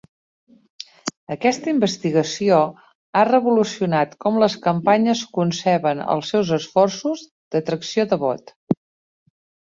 Aquesta investigació ha revolucionat com les campanyes conceben els seus esforços d'atracció de vot.